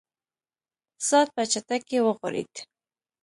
اقتصاد په چټکۍ وغوړېد.